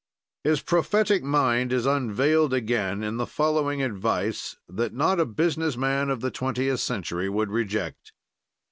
His prophetic mind is unveiled again in the following advice that not a business man of the twentieth century would reject.